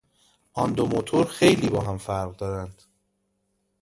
آن دو موتور خیلی با هم فرق دارند.